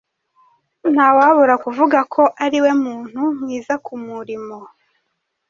Ntawabura kuvuga ko ariwe muntu mwiza kumurimo.